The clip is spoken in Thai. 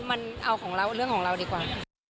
มันเอาของเราเรื่องของเราดีกว่า